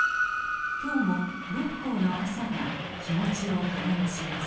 今日も六甲の朝が気持ちを励まします。